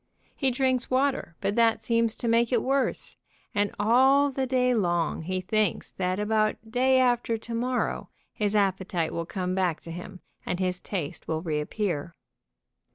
He drinks water, but that seems to make it worse, and all the day long he thinks that about day after to morrow his appetite will come back to him and his taste will reappear.